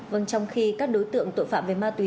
vâng trong khi các đối tượng tội phạm về ma túy